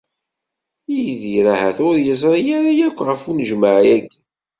Yidir ahat ur yeẓri ara akk ɣef unejmuɛ-agi.